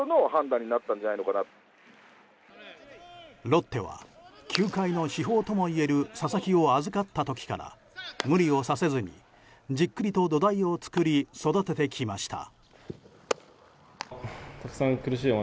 ロッテは球界の至宝ともいえる佐々木を預かった時から無理をさせずに、じっくりと土台を作り育ててきました。